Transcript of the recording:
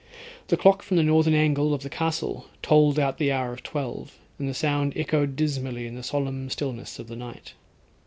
The clock from the northern angle of the castle tolled out the hour of twelve, and the sound echoed dismally in the solemn stillness of the night.